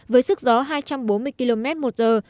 với sức gió hai trăm bốn mươi km một giờ